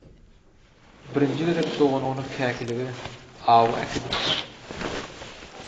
Birinji gezek dogany ony käkilige, awa äkidipdi.